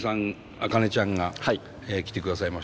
アカネちゃんが来てくださいまして。